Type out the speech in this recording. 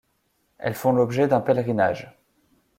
Elles font l'objet d'un pèlerinage.